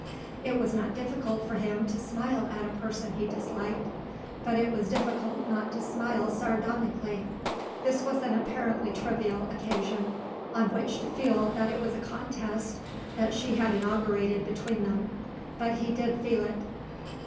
It was not difficult for him to smile at a person he disliked, but it was difficult not to smile sardonically. This was an apparently trivial occasion on which to feel that it was a contest that she had inaugurated between them; but he did feel it.